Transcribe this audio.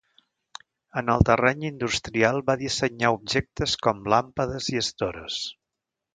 En el terreny industrial va dissenyar objectes com làmpades i estores.